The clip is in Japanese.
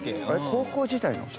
高校時代の人？